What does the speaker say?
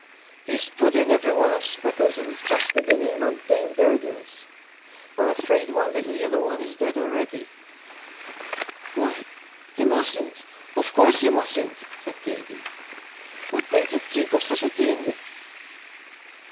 He's put in every one of Speckle's, and is just beginning on Dame Durden's. I'm afraid one little yellow one is dead already " "Why, he mustn't of course he mustn't!" said Katy; "what made him think of such a thing?"